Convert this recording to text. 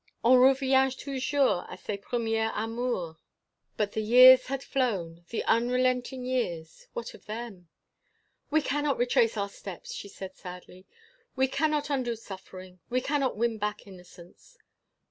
—On revient toujours à ses premiers amours!" But the years that had flown! the unrelenting years! what of them? "We cannot retrace our steps," she said, sadly, "we cannot undo suffering; we cannot win back innocence."